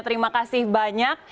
terima kasih banyak